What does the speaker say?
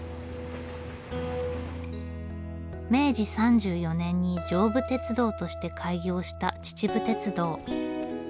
明治３４年に上武鉄道として開業した秩父鉄道。